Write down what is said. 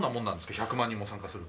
１００万人も参加すると。